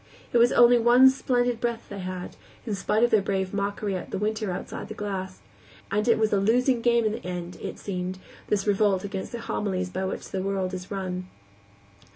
It was only one splendid breath they had, in spite of their brave mockery at the winter outside the glass; and it was a losing game in the end, it seemed, this revolt against the homilies by which the world is run.